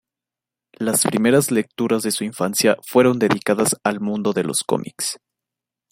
Las primeras lecturas de su infancia fueron dedicadas al mundo de los cómics.